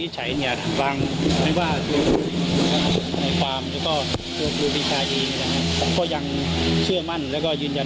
จะเป็นของใคร